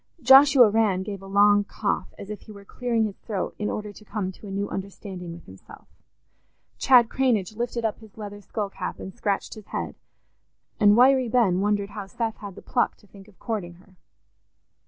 Joshua Rann gave a long cough, as if he were clearing his throat in order to come to a new understanding with himself; Chad Cranage lifted up his leather skull cap and scratched his head; and Wiry Ben wondered how Seth had the pluck to think of courting her.